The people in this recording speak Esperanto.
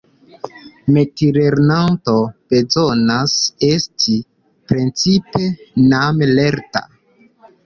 Metilernanto bezonas esti precipe mane lerta.